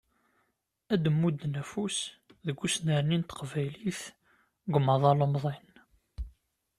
Ad d-mudden afus deg usnerni n teqbaylit deg umaḍal umdin.